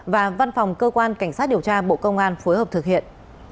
và văn phòng cơ quan cảnh sát điều tra bộ công an phối hợp thực hiện